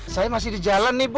saya masih di jalan nih bu